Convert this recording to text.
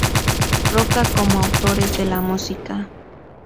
Roca como autores de la música.